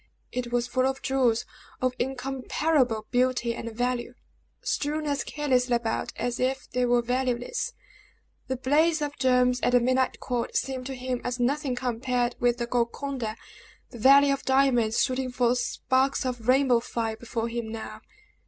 It was full of jewels of incomparable beauty and value, strewn as carelessly about as if they were valueless. The blaze of gems at the midnight court seemed to him as nothing compared with the Golconda, the Valley of Diamonds shooting forth sparks of rainbow fire before him now.